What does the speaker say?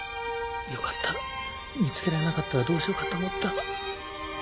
よかった見つけられなかったらどうしようかと思った。